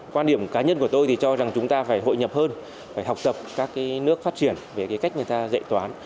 quan điểm cá nhân của tôi thì cho rằng chúng ta phải hội nhập hơn phải học tập các nước phát triển về cách người ta dạy toán